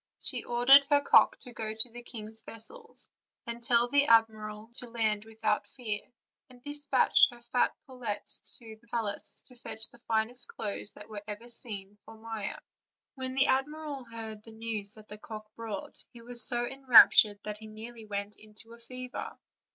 She ordered her cock to go to the king's vessels, and tell the admiral to land without fear, and dispatched her fat pullet to her palace to fetch the finest clothes that were ever seen for Maia. When the admiral heard the news that the cock brought he was so enraptured that he nearly went into a fever.